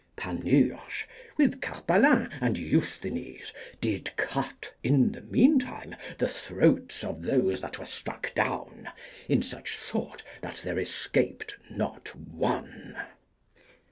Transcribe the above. Panurge, with Carpalin and Eusthenes, did cut in the mean time the throats of those that were struck down, in such sort that there escaped not one.